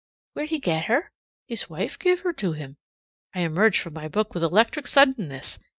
"Where'd he get her?" "His wife give her to him." I emerged from my book with electric suddenness.